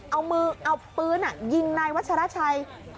เอามือเอาปืนยิงนายวัชราชัย